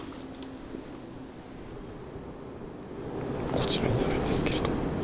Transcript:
こちらになるんですけど。